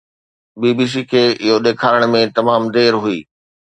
بي B C کي اهو ڏيکارڻ ۾ تمام دير هئي.